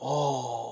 ああ。